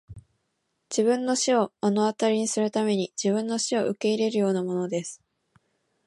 自分の死を目の当たりにするために自分の死を受け入れるようなものです!